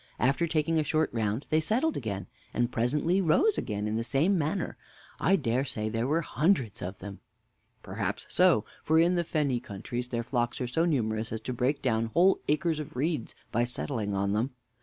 After taking a short round, they settled again, and presently rose again in the same manner, I dare say there were hundreds of them. Mr. A. Perhaps so; for in the fenny countries their flocks are so numerous as to break down whole acres of reeds by settling on them.